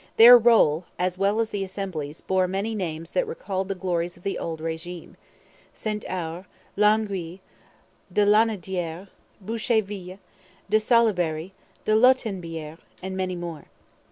Their roll, as well as the Assembly's, bore many names that recalled the glories of the old regime St Ours, Longueuil, de Lanaudiere, Boucherville, de Salaberry, de Lotbiniere, and many more.